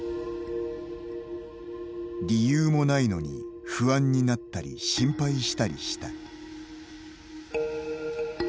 「理由もないのに不安になったり心配したりした」